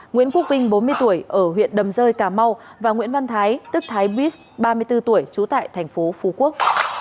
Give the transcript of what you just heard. nguyễn quốc vinh bốn mươi tuổi ở huyện đầm rơi cà mau và nguyễn văn thái tức thái bích ba mươi bốn tuổi chú tại tp phú quốc